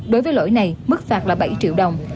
đối với lỗi này mức phạt là bảy triệu đồng